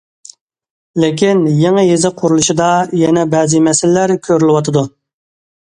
لېكىن، يېڭى يېزا قۇرۇلۇشىدا يەنە بەزى مەسىلىلەر كۆرۈلۈۋاتىدۇ.